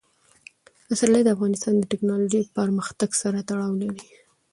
پسرلی د افغانستان د تکنالوژۍ پرمختګ سره تړاو لري.